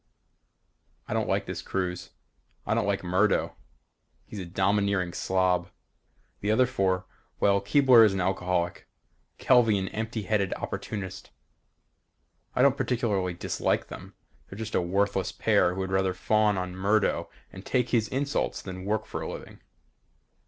I don't like this cruise. I don't like Murdo. He's a domineering slob. The other four, well Keebler is an alcoholic, Kelvey an empty headed opportunist. I don't particularly dislike them. They're just a worthless pair who would rather fawn on Murdo and take his insults than work for a living.